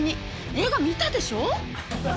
映画見たでしょ？